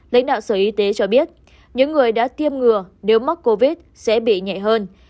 lãnh đạo sở y tế cho biết những người đã tiêm ngừa nếu mắc covid sẽ bị nhẹ hơn